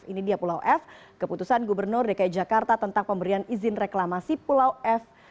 ini dia pulau f keputusan gubernur dki jakarta tentang pemberian izin reklamasi pulau f